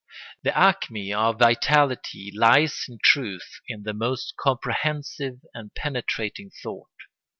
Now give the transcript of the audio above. The acme of vitality lies in truth in the most comprehensive and penetrating thought.